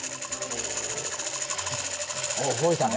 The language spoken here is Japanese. おっ動いたね。